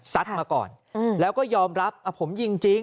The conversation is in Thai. มาก่อนแล้วก็ยอมรับผมยิงจริง